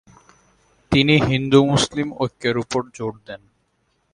তিনি হিন্দু-মুসলিম ঐক্যের উপর জোর দেন।